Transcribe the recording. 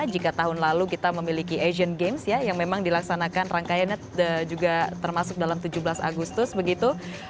jika tahun lalu kita memiliki asian games ya yang memang dilaksanakan rangkaiannya juga termasuk dalam tujuh belas agustus begitu